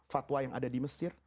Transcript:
fatwa yang ada di mesir